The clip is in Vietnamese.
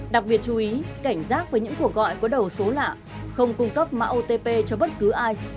đặc biệt chú ý cảnh giác với những cuộc gọi có đầu số lạ không cung cấp mã otp cho bất cứ ai